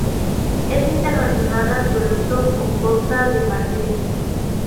Es internacional absoluto con Costa de Marfil.